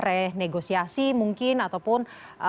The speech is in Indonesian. renegosiasi mungkin ataupun